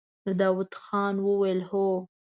داوود خان وويل: هو!